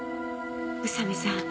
宇佐見さん